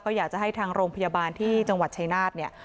อยากจะให้ทางโรงพยาบาลที่จังหวัดชายนาฏเนี่ย